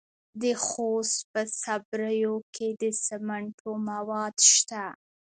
د خوست په صبریو کې د سمنټو مواد شته.